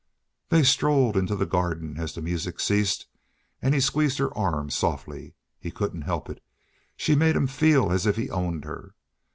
They strolled into the garden as the music ceased, and he squeezed her arm softly. He couldn't help it; she made him feel as if he owned her.